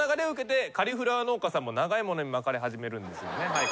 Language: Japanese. はい。